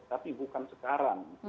tapi bukan sekarang